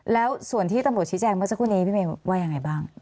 แล้วส่วนที่ตำรวจชี้แจงเมื่อสักครู่นี้พี่เมย์ว่ายังไงบ้าง